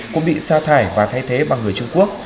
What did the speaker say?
cũng bị sa thải và thay thế bằng người trung quốc